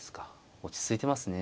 落ち着いてますね。